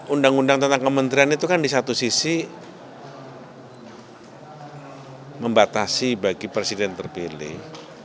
undang undang tentang kementerian itu kan di satu sisi membatasi bagi presiden terpilih